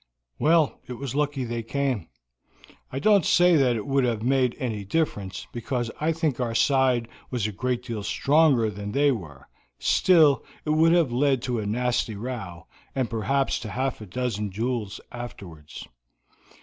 Well, it was lucky they came. I don't say that it would have made any difference, because I think our side was a great deal stronger than they were, still it would have led to a nasty row, and perhaps to half a dozen duels afterwards.